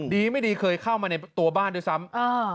ดีไม่ดีเคยเข้ามาในตัวบ้านด้วยซ้ำ